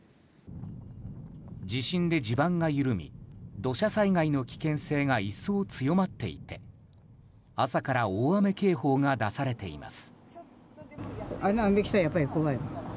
地震で地盤が緩み土砂災害の危険性が一層強まっていて朝から大雨警報が出されています。